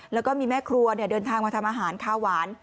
แล้วก็มีแม่ครัวเดินทางมาทำอาหารข้าวหวาน